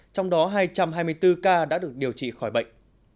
trong đó hai trăm hai mươi bốn ca đã được điều trị khỏi bệnh